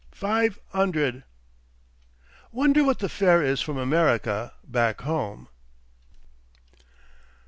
Five 'undred. "Wonder what the fare is from America back home?"